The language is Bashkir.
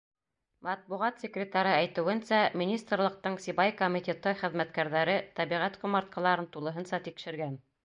Матбуғат секретары әйтеүенсә, министрлыҡтың Сибай комитеты хеҙмәткәрҙәре тәбиғәт ҡомартҡыларын тулыһынса тикшергән.